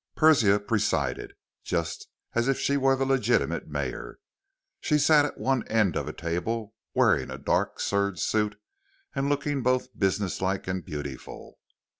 Persia presided, just as if she were the legitimate mayor. She sat at one end of a table, wearing a dark serge suit and looking both businesslike and beautiful.